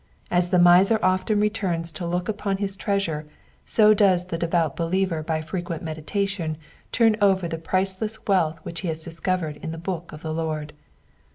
As the miser often returns to look upon his treasure, so does the devout believer by frequent meditation turn over the priceless wealth which he has discovered in the book of the Lord.